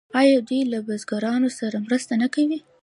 آیا دوی له بزګرانو سره مرسته نه کوي؟